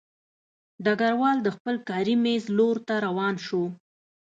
ډګروال د خپل کاري مېز لور ته روان شو